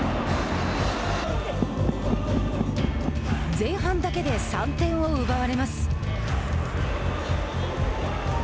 前半だけで３点を奪われます。